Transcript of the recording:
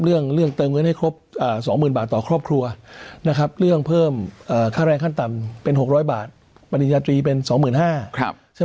เรื่องเติมเงินให้ครบ๒๐๐๐บาทต่อครอบครัวนะครับเรื่องเพิ่มค่าแรงขั้นต่ำเป็น๖๐๐บาทปริญญาตรีเป็น๒๕๐๐ใช่ไหม